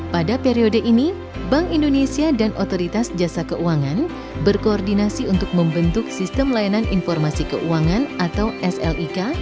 pada periode ini bank indonesia dan otoritas jasa keuangan berkoordinasi untuk membentuk sistem layanan informasi keuangan atau slik